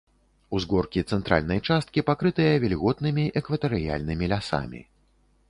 Узгоркі цэнтральнай часткі пакрытыя вільготнымі экватарыяльнымі лясамі.